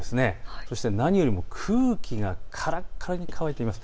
そして何よりも空気がからからに乾いてます。